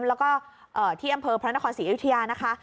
แล้วก็ที่อำเภอพระนครศรีอยุธยานะคะ